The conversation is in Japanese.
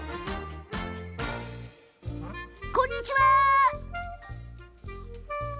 こんにちは。